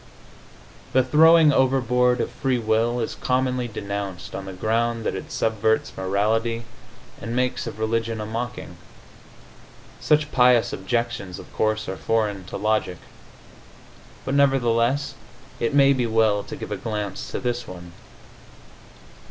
The throwing overboard of free will is commonly denounced on the ground that it subverts morality and makes of religion a mocking. Such pious objections, of course, are foreign to logic, but nevertheless it may be well to give a glance to this one.